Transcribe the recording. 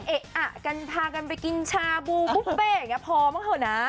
ไม่ใช่เอะอะกันพากันไปกินชาบูบุฟเฟ่อย่างนี้พร้อมเถอะนะ